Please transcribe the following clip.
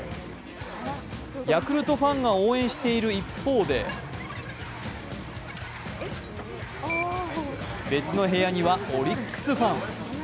ヤクルトファンが応援している一方で別の部屋にはオリックスファン。